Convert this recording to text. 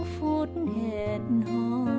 phút hẹn hò